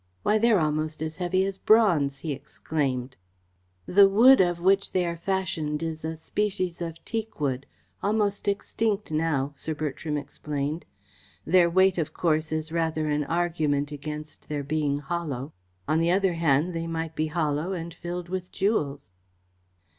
"Why, they're almost as heavy as bronze," he exclaimed. "The wood of which they are fashioned is a species of teak wood almost extinct now," Sir Bertram explained. "Their weight, of course, is rather an argument against their being hollow. On the other hand, they might be hollow and filled with jewels."